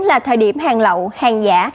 là thời điểm hàng lậu hàng giả